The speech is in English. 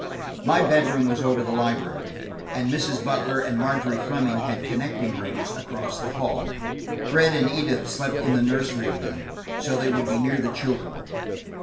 My bedroom was over the library, and Mrs. Butler and Margery Fleming had connecting rooms, across the hall. Fred and Edith slept in the nursery wing, so they would be near the children.